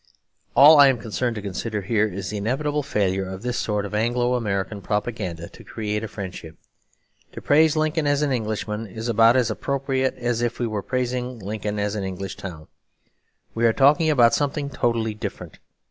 All I am concerned to consider here is the inevitable failure of this sort of Anglo American propaganda to create a friendship. To praise Lincoln as an Englishman is about as appropriate as if we were praising Lincoln as an English town. We are talking about something totally different.